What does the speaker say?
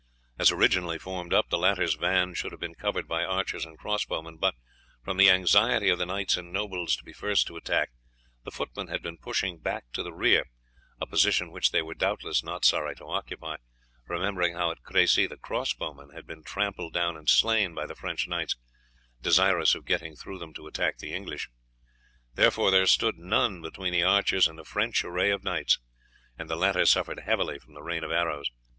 As originally formed up, the latter's van should have been covered by archers and cross bowmen, but, from the anxiety of the knights and nobles to be first to attack, the footmen had been pushed back to the rear, a position which they were doubtless not sorry to occupy, remembering how at Crecy the cross bowmen had been trampled down and slain by the French knights, desirous of getting through them to attack the English. Therefore, there stood none between the archers and the French array of knights, and the latter suffered heavily from the rain of arrows.